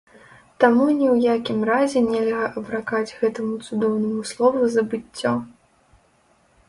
Таму ні ў якім разе нельга абракаць гэтаму цудоўнаму слову забыццё.